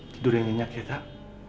tidur yang nyenyak ya tak